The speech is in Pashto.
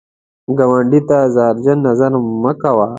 ګاونډي ته زهرجن نظر مه کوه